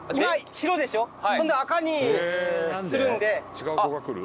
違う子が来る？